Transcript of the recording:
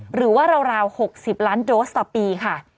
หรือว่าราว๖๐ล้านโดสต่อปีค่ะ